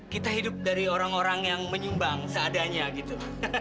kita hidup dari orang orang yang menyumbang seadanya gitu